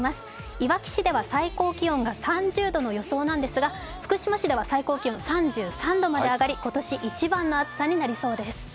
いわき市では最高気温が３０度の予想なんですが、福島市では最高気温３３度まで上がり今年一番の暑さになりそうです。